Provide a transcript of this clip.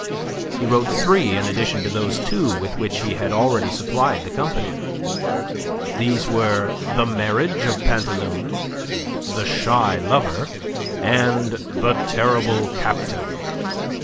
He wrote three in addition to those two with which he had already supplied the company; these were "The Marriage of Pantaloon," "The Shy Lover," and "The Terrible Captain."